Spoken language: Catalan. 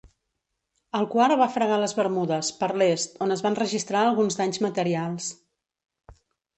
El quart va fregar les Bermudes, per l'est, on es van registrar alguns danys materials.